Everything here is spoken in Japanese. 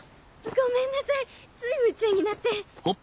ごめんなさいつい夢中になって。